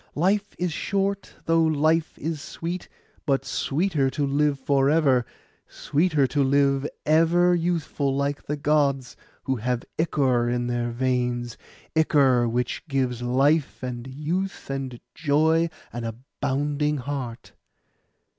Life is short, though life is sweet: but sweeter to live for ever; sweeter to live ever youthful like the Gods, who have ichor in their veins—ichor which gives life, and youth, and joy, and a bounding heart.